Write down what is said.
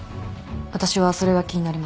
私はそれが気になります。